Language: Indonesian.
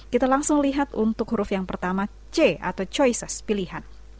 kita langsung lihat untuk huruf yang pertama c atau choices pilihan